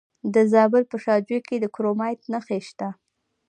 د زابل په شاجوی کې د کرومایټ نښې شته.